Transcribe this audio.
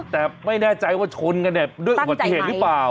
แต่ไม่แน่ใจว่าชนกันเนี่ยด้วยอุบัติเหตุหรือเปล่า